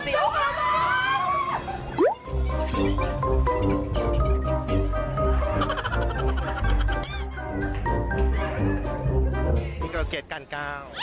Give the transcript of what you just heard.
อีกก็เกษกันก้าว